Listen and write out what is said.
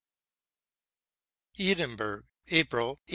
Edinburgh, April 1847.